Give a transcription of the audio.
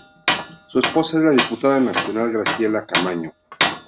Su esposa es la diputada nacional Graciela Camaño.